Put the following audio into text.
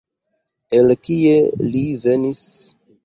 El kie li venis?